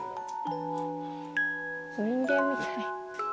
人間みたい。